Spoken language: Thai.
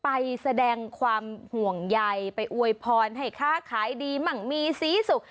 ไปแสดงความห่วงใยไปอวยพรให้ค้าขายดีมั่งมีสีสุข